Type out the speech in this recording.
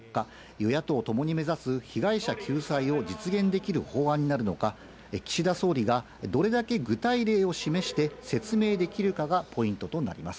与野党ともに目指す、被害者救済を実現できる法案になるのか、岸田総理がどれだけ具体例を示して説明できるかがポイントとなります。